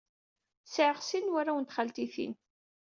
Sɛiɣ sin n warraw n txaltitin.